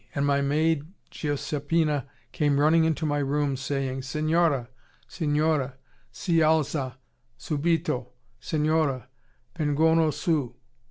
And my maid Giuseppina came running into my room, saying: 'Signora! Signora! Si alza! Subito! Signora! Vengono su!'